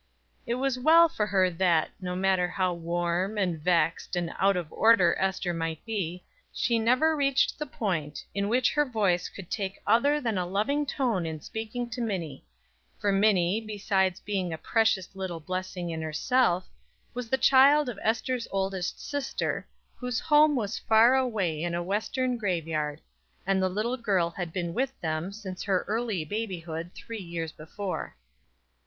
It was well for her that, no matter how warm, and vexed, and out of order Ester might be, she never reached the point in which her voice could take other than a loving tone in speaking to Minnie; for Minnie, besides being a precious little blessing in herself, was the child of Ester's oldest sister, whose home was far away in a Western graveyard, and the little girl had been with them since her early babyhood, three years before.